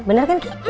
bener kan kiki